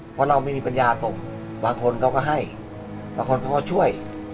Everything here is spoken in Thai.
เพราะเรามีปัญญาศพบางคนเขาก็ให้บางคนพ่อช่วย